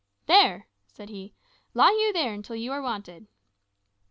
"There!" said he, "lie you there until you are wanted."